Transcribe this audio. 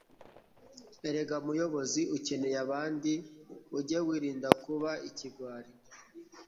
Erega muyobozi ukeneye abandi uge wirinda kuba ikigwari,